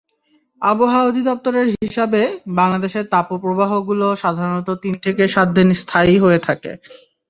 আবহাওয়া অধিদপ্তরের হিসাবে, বাংলাদেশের তাপপ্রবাহগুলো সাধারণত তিন থেকে সাত দিন স্থায়ী হয়ে থাকে।